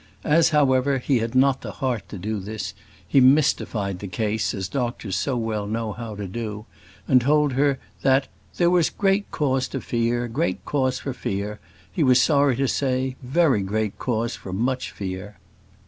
As, however, he had not the heart to do this, he mystified the case as doctors so well know how to do, and told her that "there was cause to fear, great cause for fear; he was sorry to say, very great cause for much fear."